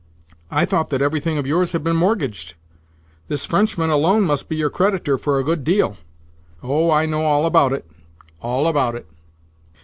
I thought that everything of yours had been mortgaged? This Frenchman alone must be your creditor for a good deal. Oh, I know all about it, all about it."